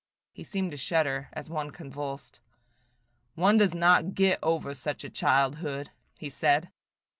He seemed to shudder as one convulsed. "One does not get over such a childhood," he said.